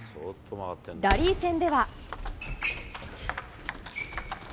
ラリー戦では。